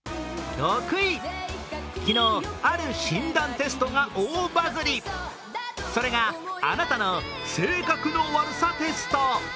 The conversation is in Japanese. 昨日、ある診断テストが大バズりそれが、あなたの性格の悪さテスト。